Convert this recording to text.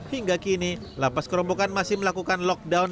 hingga kini lapas kerobokan masih melakukan lockdown